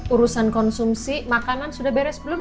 urusan konsumsi makanan sudah beres belum